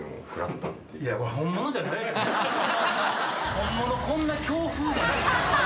本物こんな強風じゃない。